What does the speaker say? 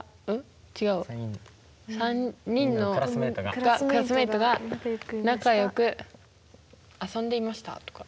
クラスメートが仲良く遊んでいましたとか。